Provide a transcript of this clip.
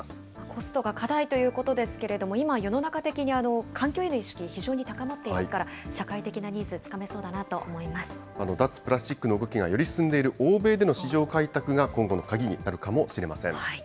コストが課題ということですけれども、今、世の中的に環境への意識、非常に高まっていますから、社会的なニーズ、つかめそう脱プラスチックの動きがより進んでいる欧米での市場開拓が今後の鍵になるかもしれません。